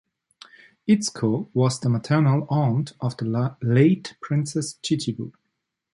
Itsuko was the maternal aunt of the late Princess Chichibu.